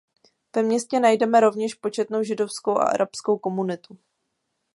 Ve městě najdeme rovněž početnou židovskou a arabskou komunitu.